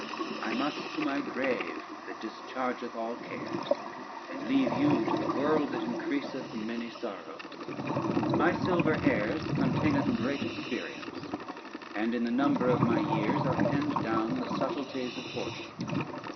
I must to my grave that dischargeth all cares, and leave you to the world that increaseth many sorrows: my silver hairs containeth great experience, and in the number of my years are penned down the subtleties of fortune.